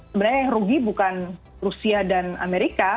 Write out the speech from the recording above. sebenarnya yang rugi bukan rusia dan amerika